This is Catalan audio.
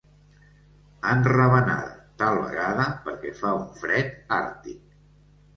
Enravenada, tal vegada perquè fa un fred àrtic.